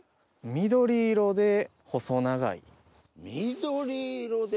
緑色で細長い。